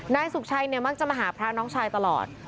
นายสุขชัยเนี่ยมักจะมาหาพระน้องชายตลอด